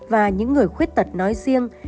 và những người khuyết tật nói riêng